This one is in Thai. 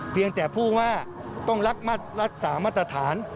เพียงแต่พูดว่าต้องรักษามาตรฐาน